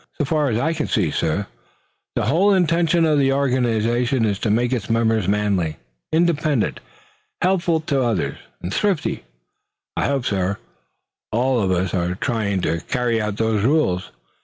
So far as I can see it, suh, the whole intention of the organization is to make its members manly, independent, helpful to others, and thrifty. I hope, suh, all of us are trying to carry out those rules.